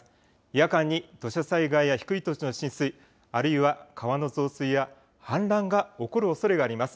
夜間に土砂災害や低い土地の浸水、あるいは川の増水や氾濫が起こるおそれがあります。